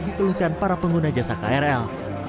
dikeluhkan para pengguna jasa krl